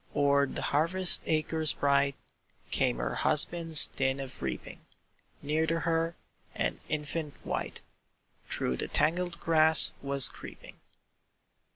O'er the harvest acres bright, Came her husband's din of reaping; Near to her, an infant wight Through the tangled grass was creeping.